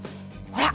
ほら！